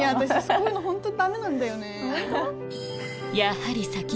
こういうの本当ダメなんだよね。